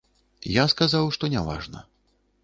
Я сказаў, што няважна.